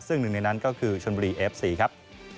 ซึ่งหนึ่งในนั้นก็คือชนบุรีเอฟซีครับ